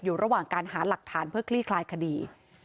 อยู่ระหว่างการหาหลักฐานเพื่อคลี่คลายคดี